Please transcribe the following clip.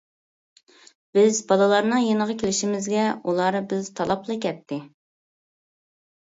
بىز بالىلارنىڭ يېنىغا كېلىشىمىزگە ئۇلار بىز تالاپلا كەتتى.